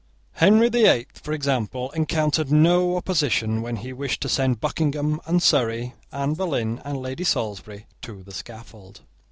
Henry the Eighth, for example, encountered no opposition when he wished to send Buckingham and Surrey, Anne Boleyn and Lady Salisbury, to the scaffold.